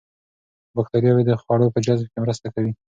باکتریاوې د خوړو په جذب کې مرسته کوي.